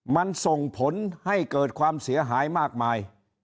มันส่งผลให้เกิดความเสียหายมากมาย